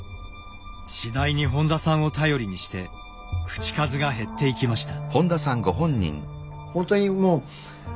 次第に本多さんを頼りにして口数が減っていきました。